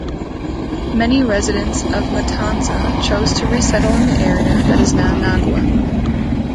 Many residents of Matanza chose to resettle in the area that is now Nagua.